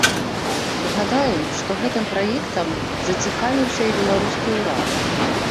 Нагадаем, што гэтым праектам зацікавіўся і беларускі ўрад.